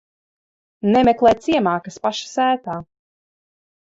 Nemeklē ciemā, kas paša sētā.